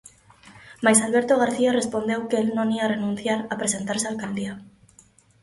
Mais Alberto García respondeu que el non ía renunciar a presentarse á alcaldía.